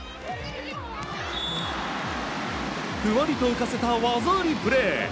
ふわりと浮かせた技ありプレー。